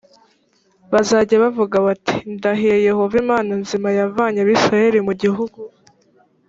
bazajya bavuga bati ndahiye yehova imana nzima yavanye abisirayeli mu gihugu